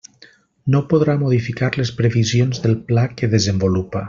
No podrà modificar les previsions del pla que desenvolupa.